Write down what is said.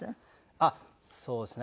あっそうですね